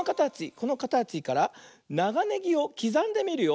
このかたちからながネギをきざんでみるよ。